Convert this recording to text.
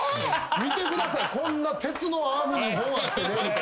「見てくださいこんな鉄のアーム２本あってね」